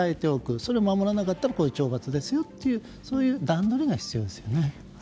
それを守らなかったらこういう懲罰ですよというそういう例が必要ですよね。